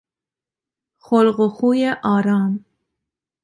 خلق و خوی آرام